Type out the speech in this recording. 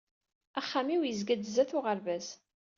Axxam-iw yezga-d zdat uɣerbaz.